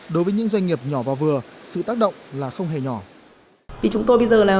đối với những doanh nghiệp nhỏ và vừa sự tác động là không hề nhỏ